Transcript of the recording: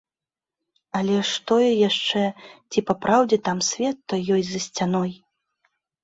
Але ж тое яшчэ, ці папраўдзе там свет той ёсць за сцяной?